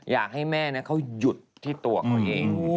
อยากให้แม่เขาหยุดที่ตัวเขาเอง